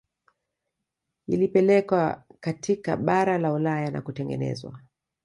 Yilipelekwa katika bara la Ulaya na kutengenezwa